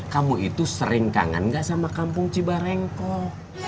kamu itu sering kangen gak sama kampung cibarengkok